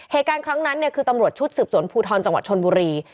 เหตุการณ์ครั้งนั้นเนี่ยคือตำรวจชุดสืบสวนภูทรจังหวัดชนบุรี